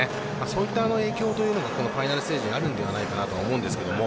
そういった影響というのがファイナルステージにあるんではないかと思うんです。